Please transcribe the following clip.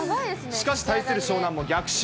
しかし対する湘南も逆襲。